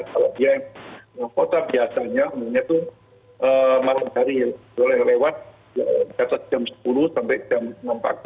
kalau dia yang kota biasanya umumnya itu malam hari boleh lewat di atas jam sepuluh sampai jam enam pagi